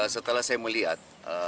setelah saya melihat